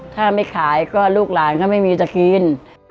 ถ้าไม่ขายก็ลูกหลานก็ไม่มีจะกิน